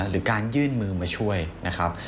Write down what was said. หรือการยื่นมือมาช่วยนะครับ